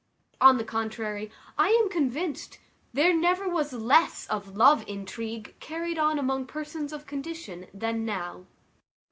On the contrary, I am convinced there never was less of love intrigue carried on among persons of condition than now.